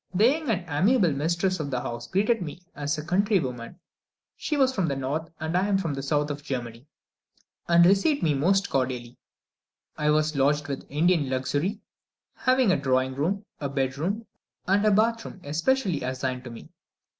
The young and amiable mistress of the house greeted me as a countrywoman (she was from the north and I from the south of Germany), and received me most cordially. I was lodged with Indian luxury, having a drawing room, a bed room, and a bath room especially assigned to me.